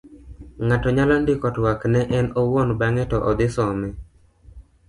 ng'ato nyalo ndiko twak ne en owuon bang'e to odhi some